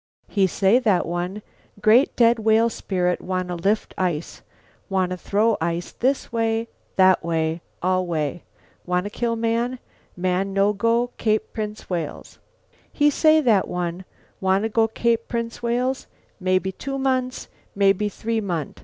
"He say, that one, 'Great dead whale spirit wanna lift ice, wanna throw ice this way, that way, all way. Wanna kill man. Man no go Cape Prince Wales.' "He say, that one, 'Wanna go Cape Prince Wales, mebby two month, mebby three month.